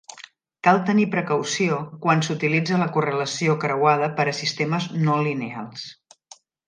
Cal tenir precaució quan s'utilitza la correlació creuada per a sistemes no lineals.